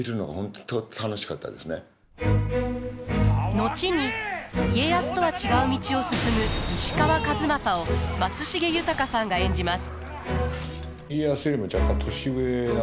後に家康とは違う道を進む石川数正を松重豊さんが演じます。